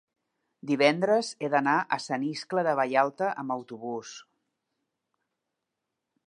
divendres he d'anar a Sant Iscle de Vallalta amb autobús.